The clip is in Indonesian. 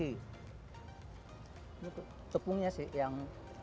ini tepungnya sih yang